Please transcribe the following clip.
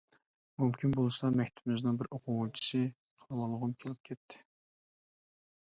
مۇمكىن بولسا مەكتىپىمىزنىڭ بىر ئوقۇغۇچىسى قىلىۋالغۇم كېلىپ كەتتى.